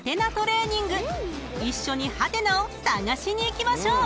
［一緒にハテナを探しにいきましょう］